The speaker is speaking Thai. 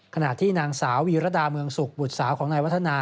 ขณะที่นางสาววีรดาเมืองสุขบุตรสาวของนายวัฒนา